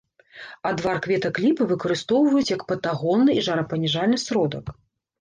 Адвар кветак ліпы выкарыстоўваюць як патагонны і жарапаніжальны сродак.